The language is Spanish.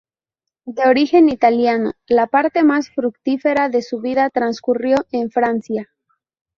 De origen italiano, la parte más fructífera de su vida transcurrió en Francia.